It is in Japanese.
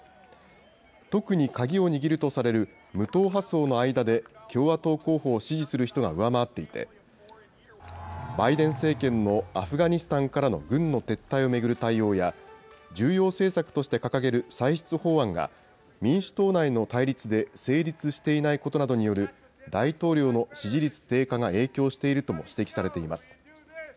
特に鍵を握るとされる無党派層の間で共和党候補を支持する人が上回っていて、バイデン政権のアフガニスタンからの軍の撤退を巡る対応や、重要政策として掲げる歳出法案が、民主党内の対立で成立していないことなどによる大統領の支持率低下が影響しているとも指摘されています。